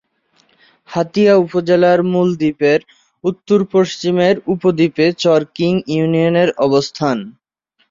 হাতিয়া উপজেলার মূল দ্বীপের উত্তর-পশ্চিমের উপদ্বীপে চর কিং ইউনিয়নের অবস্থান।